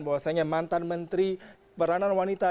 bahwasannya mantan menteri peranan wanita